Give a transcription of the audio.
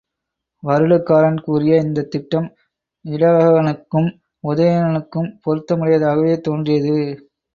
வருடகாரன் கூறிய இந்தத் திட்டம் இடவகனுக்கும் உதயணனுக்கும் பொருத்தமுடையதாகவே தோன்றியது.